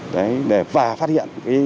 đấy và phát hiện